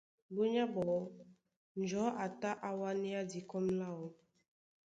Búnyá ɓɔɔ́ njɔ̌ a tá á wánéá dikɔ́m láō.